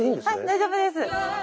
大丈夫です。